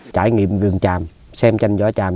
trải nghiệm rừng tràm xem tranh vỏ tràm